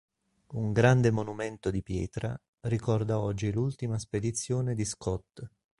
Un grande monumento di pietra ricorda oggi l'ultima spedizione di Scott.